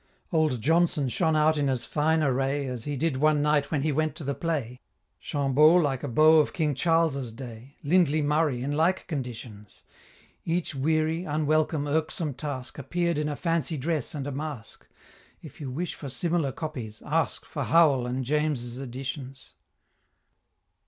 Old Johnson shone out in as fine array As he did one night when he went to the play; Chambaud like a beau of King Charles's day Lindley Murray in like conditions Each weary, unwelcome, irksome task, Appear'd in a fancy dress and a mask; If you wish for similar copies, ask For Howell and James's Editions.